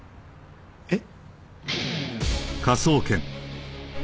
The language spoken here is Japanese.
えっ？